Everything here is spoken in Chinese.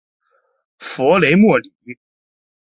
弗雷默里。